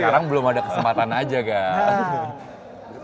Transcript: sekarang belum ada kesempatan aja kan